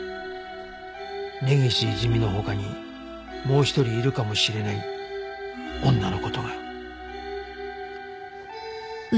根岸いずみの他にもう一人いるかもしれない女の事が